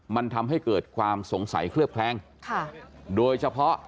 มันทำให้เกิดความสงสัยเคลือบแคลงค่ะโดยเฉพาะ